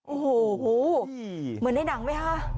โอ้โหเหมือนในหนังไหมคะ